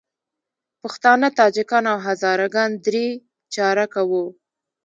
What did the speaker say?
پښتانه، تاجکان او هزاره ګان درې چارکه وو.